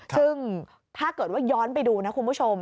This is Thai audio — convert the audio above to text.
ซึ่งถ้าเกิดว่าย้อนไปดูนะคุณผู้ชม